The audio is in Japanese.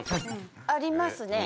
ありますね。